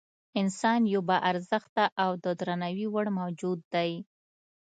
انسان یو با ارزښته او د درناوي وړ موجود دی.